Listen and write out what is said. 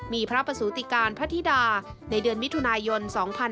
มีพระประสูติการพระธิดาในเดือนมิถุนายน๒๕๕๙